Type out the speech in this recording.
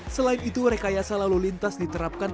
selain itu rekayasa lalu lintas diterapkan